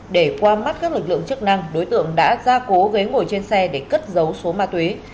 để qua mắt các lực lượng chức năng đối tượng đã ra cố ghế ngồi trên xe để cất dấu số ma túy